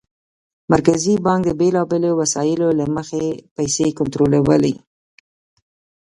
مرکزي بانک د بېلابېلو وسایلو له مخې پیسې کنټرولوي.